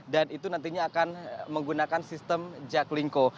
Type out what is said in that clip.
dan itu nantinya akan menggunakan sistem jaklingko